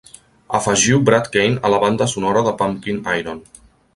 Afegiu Brad Kane a la banda sonora de Pumping Iron.